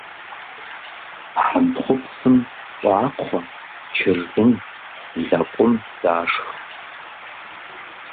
Хьэнтхъупсым щӀакхъуэ, чыржын, лэкъум дашх.